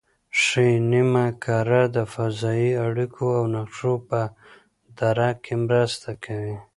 ښي نیمه کره د فضایي اړیکو او نقشو په درک کې مرسته کوي